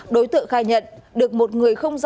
đối tượng khai nhận được một người không giấy